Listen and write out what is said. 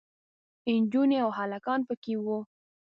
نجونې او هلکان پکې وو.